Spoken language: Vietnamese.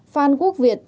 một phan quốc việt